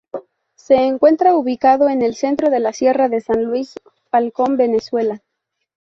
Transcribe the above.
Se encuentra ubicado en el centro de la sierra de San Luis, Falcón, Venezuela.